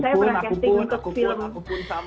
saya pernah casting untuk film